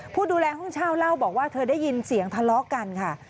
ผู้ดูแลห้องเช่าเล่าบอกว่าเธอได้ยินเสียงทะเลาะกันค่ะ